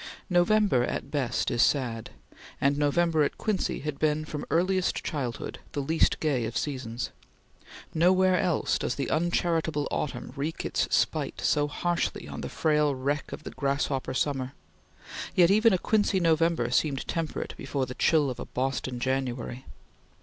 November at best is sad, and November at Quincy had been from earliest childhood the least gay of seasons. Nowhere else does the uncharitable autumn wreak its spite so harshly on the frail wreck of the grasshopper summer; yet even a Quincy November seemed temperate before the chill of a Boston January.